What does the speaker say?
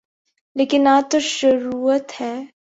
لیکن یہ تو شروعات ہے۔